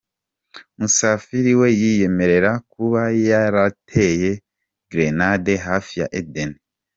Musafili we yiyemerera kuba yarateye gerenade hafi ya Eden bar.